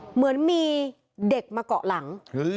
เหมือนมีเด็กมาเกาะหลัง